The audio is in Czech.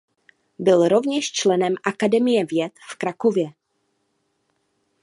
Byl rovněž členem akademie věd v Krakově.